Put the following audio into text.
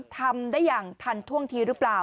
ทำได้อย่างทันท่วงทีหรือเปล่า